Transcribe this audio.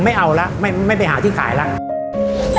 ไม่เอาแล้วไม่ไปหาที่ขายแล้ว